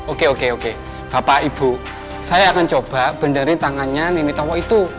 oke oke oke bapak ibu saya akan coba benerin tangannya nini towo itu